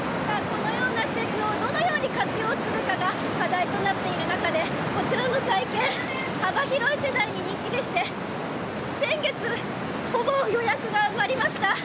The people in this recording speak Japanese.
このような施設をどのように活用するかが課題となっている中でこちらの体験幅広い世代に人気でして先月、ほぼ予約が埋まりました。